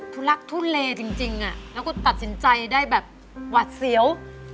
ทุลักทุเลจริงแล้วก็ตัดสินใจได้แบบหวัดเสียว